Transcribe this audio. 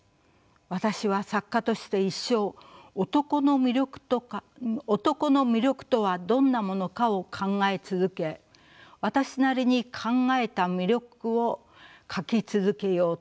「私は作家として一生男の魅力とはどんなものかを考え続け私なりに考えた魅力を書き続けようと思っている」。